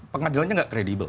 pengadilannya gak kredibel